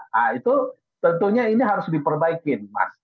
nah itu tentunya ini harus diperbaikin mas